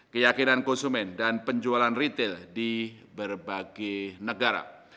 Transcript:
keyakinan konsumen dan penjualan retail di berbagai negara